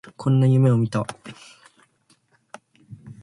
こんな夢を見た